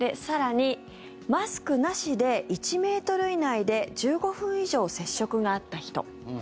更に、マスクなしで１ｍ以内で１５分以上接触があった人。